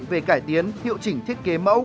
về cải tiến hiệu chỉnh thiết kế mẫu